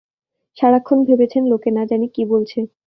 সারাক্ষণ ভেবেছেন, লোকে না-জানি কি বলছে।